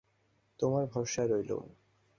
তোমার ভরসায় রইলুম।